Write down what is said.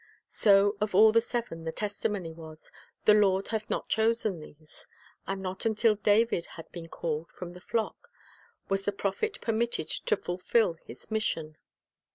So of all the seven the testimony was, "The Lord hath not chosen these." 1 And not until David had been called from the flock was the prophet permitted to fulfil his mission.